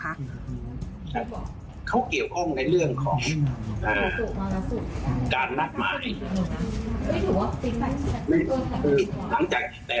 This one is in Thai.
เขาเกี่ยวข้องในเรื่องของการนัดหมาย